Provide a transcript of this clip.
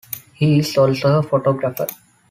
He is also a photographer.